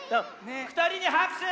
ふたりにはくしゅ！